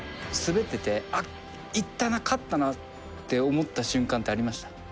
清水：滑っていていったな、勝ったなって思った瞬間ってありました？